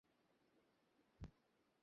শোধবোধ হয়ে গেলো, এখন ভাগো।